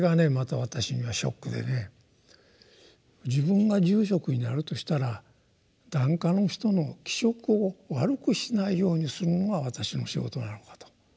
自分が住職になるとしたら檀家の人の気色を悪くしないようにするのが私の仕事なのかと。